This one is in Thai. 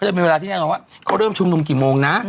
จะมีเวลาที่แน่นอนว่าเขาเริ่มชุมนุมกี่โมงนะ